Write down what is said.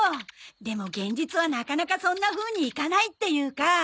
でも現実はなかなかそんなふうにいかないっていうか。